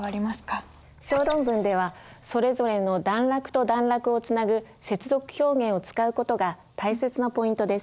小論文ではそれぞれの段落と段落をつなぐ接続表現を使う事が大切なポイントです。